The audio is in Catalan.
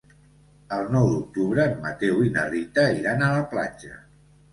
El nou d'octubre en Mateu i na Rita iran a la platja.